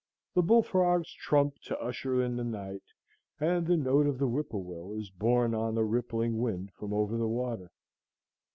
The bullfrogs trump to usher in the night, and the note of the whippoorwill is borne on the rippling wind from over the water.